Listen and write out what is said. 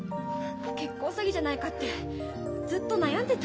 結婚詐欺じゃないかってずっと悩んでた。